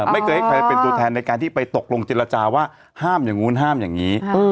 ไม่เคยให้ใครเป็นตัวแทนในการที่ไปตกลงเจรจาว่าห้ามอย่างนู้นห้ามอย่างนี้